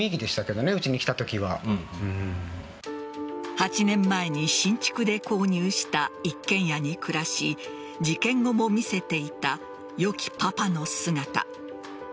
８年前に新築で購入した一軒家に暮らし事件後も見せていた良きパパの姿。